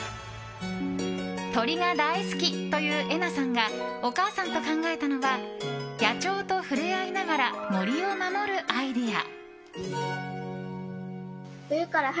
鳥が大好きという、えなさんがお母さんと考えたのは野鳥と触れ合いながら森を守るアイデア。